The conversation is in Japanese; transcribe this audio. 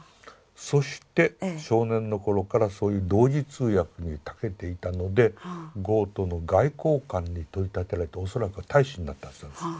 そして少年の頃からそういう同時通訳にたけていたのでゴートの外交官に取り立てられて恐らくは大使になったんですよ。